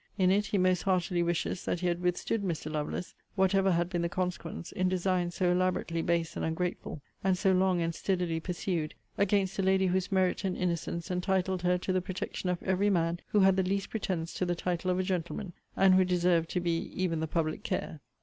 In it, he most heartily wishes that he had withstood Mr. Lovelace, whatever had been the consequence, in designs so elaborately base and ungrateful, and so long and steadily pursued, against a lady whose merit and innocence entitled her to the protection of every man who had the least pretences to the title of a gentleman; and who deserved to be even the public care.